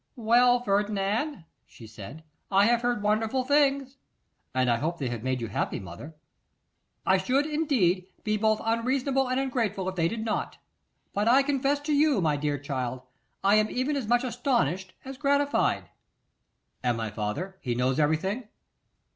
'Well, Ferdinand,' she said, 'I have heard wonderful things.' 'And I hope they have made you happy, mother?' 'I should, indeed, be both unreasonable and ungrateful if they did not; but I confess to you, my dear child, I am even as much astonished as gratified.' 'And my father, he knows everything?